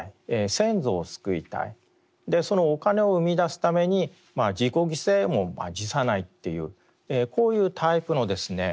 そのお金を生みだすために自己犠牲も辞さないというこういうタイプのですね